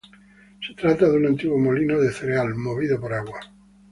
Se trata de un antiguo molino de cereal, movido por agua.